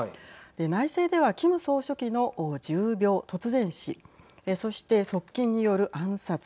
内政ではキム総書記の重病・突然死そして側近による暗殺。